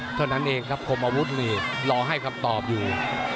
เท่านั้นเองครับคมอาวุธนี่รอให้คำตอบอยู่